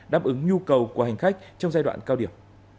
đáp ứng nhu cầu của hành khách trong giai đoạn cao điểm